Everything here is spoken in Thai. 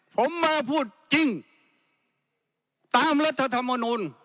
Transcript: ผมมาพูดจริงตามรัฐธรรมนูล